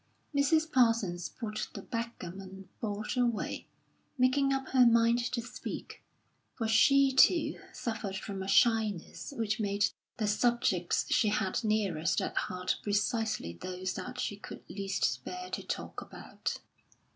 Mrs. Parsons put the backgammon board away, making up her mind to speak, for she too suffered from a shyness which made the subjects she had nearest at heart precisely those that she could least bear to talk about.